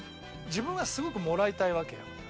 自分はすごくもらいたいわけよ。